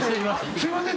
すいません。